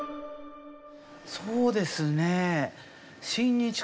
そうですね。